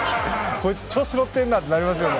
こいつ調子乗ってんなってなりますよね